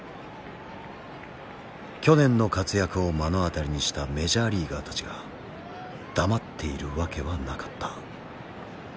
去年の活躍を目の当たりにしたメジャーリーガーたちが黙っているわけはなかった。